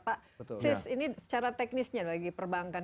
pak sis ini secara teknisnya bagi perbankan